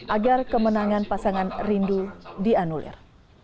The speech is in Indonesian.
agar kemenangan pasangan rindu dianulir